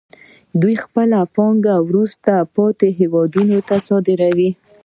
دوی خپلې پانګې وروسته پاتې هېوادونو ته صادروي